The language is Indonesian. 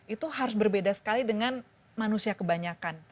itu harus berbeda sekali dengan manusia kebanyakan